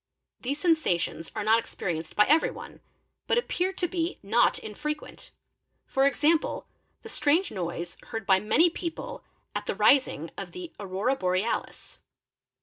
These sensations are not experienced by everyone, | but appear to be not infrequent, e.g., the strange noise heard by many people at the rising of the Aurora Borealis.